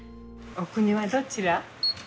お国はどちら？